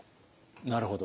なるほど。